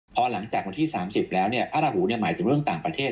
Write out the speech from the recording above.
พอหลังจากวันที่๓๐แล้วพระราหูหมายถึงเรื่องต่างประเทศ